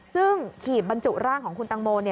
ซึ่งขีบบรรจุร่างของคุณตังโม